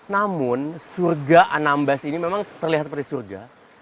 namun surga anambas ini memang terlihat seperti surga